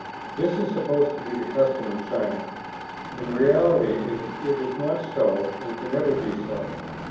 This is supposed to be the custom in China. In reality it is not so and can never be so.